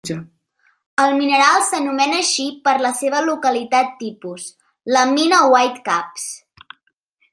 El mineral s'anomena així per la seva localitat tipus: la mina White Caps.